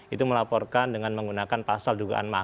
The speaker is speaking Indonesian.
itu melaporkan dengan menggunakan pasal dugaan makar